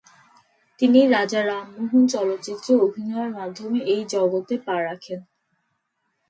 তিনি "রাজা রামমোহন" চলচ্চিত্রে অভিনয়ের মাধ্যমে এই জগতে পা রাখেন।